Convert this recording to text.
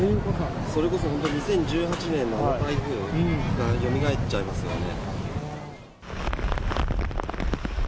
それこそ本当、２０１８年の台風がよみがえっちゃいますよね。